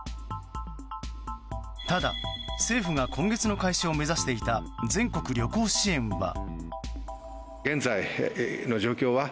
ただ、政府が今月の開始を目指していた全国旅行支援は。